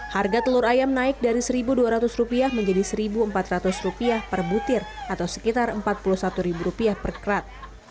harga telur ayam naik dari rp satu dua ratus menjadi rp satu empat ratus per butir atau sekitar rp empat puluh satu per kerat